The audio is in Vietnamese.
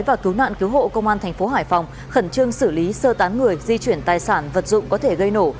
và cứu nạn cứu hộ công an thành phố hải phòng khẩn trương xử lý sơ tán người di chuyển tài sản vật dụng có thể gây nổ